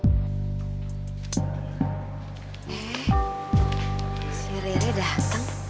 eh si rere dateng